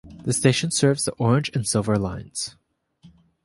The station serves the Orange and Silver Lines.